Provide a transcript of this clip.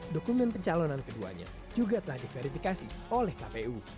dokumen pencalonan keduanya juga telah diverifikasi oleh kpu